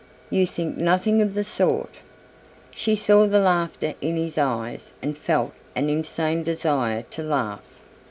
"You think nothing of the sort." She saw the laughter in his eyes and felt an insane desire to laugh.